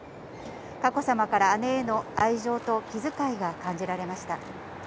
佳子さまから姉への愛情と気づかいが感じられました。